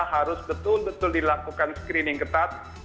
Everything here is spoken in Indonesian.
harus betul betul dilakukan screening ketat